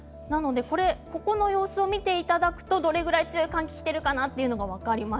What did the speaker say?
ここの様子を見ていただくとどれくらい強い寒気がきているか分かります。